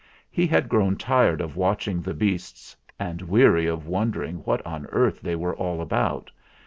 He had grown tired of watching the beasts, and weary of wondering what on earth they were all about.